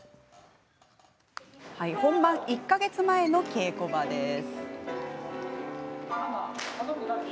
本番１か月前の稽古場です。